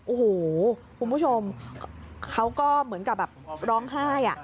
โอ้โหคุณผู้ชมเขาก็เหมือนกับแบบร้องไห้